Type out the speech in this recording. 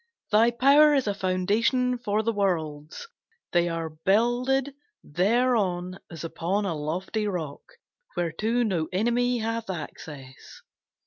Thy power is a foundation for the worlds; They are builded thereon as upon a lofty rock Whereto no enemy hath access.